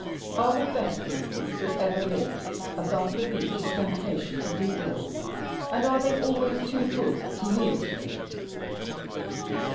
Are the best mortals that ever lived above the reach of temptation to do ill, and are they always too good to yield to it?